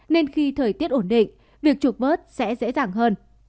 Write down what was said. nên khi thời tiết ổn định việc trục vớt sẽ dễ dàng hơn